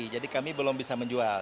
jadi kami belum bisa menjual